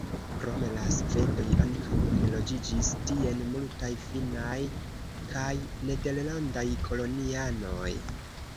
Krom la svedoj ankaŭ enloĝiĝis tien multaj finnaj kaj nederlandaj kolonianoj.